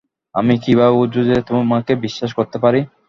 আমি কিভাবে বুঝবো যে তোমাকে বিশ্বাস করতে পারি?